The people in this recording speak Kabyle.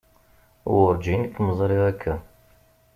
Werǧin i kem-ẓriɣ akka.